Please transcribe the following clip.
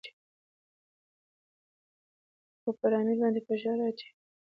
خو پر امیر باندې به فشار اچوي.